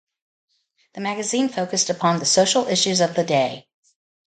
The magazine focused upon the social issues of the day.